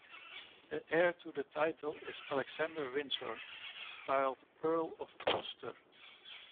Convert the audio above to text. The heir to the title is Alexander Windsor, styled Earl of Ulster.